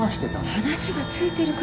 話がついてるから